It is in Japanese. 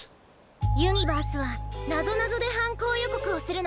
ユニバースはなぞなぞではんこうよこくをするの。